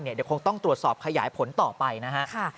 เดี๋ยวคงต้องตรวจสอบขยายผลต่อไปนะฮะ